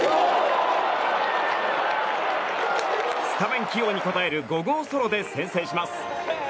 スタメン起用に応える５号ソロで先制します。